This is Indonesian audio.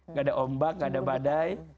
gak ada ombak gak ada badai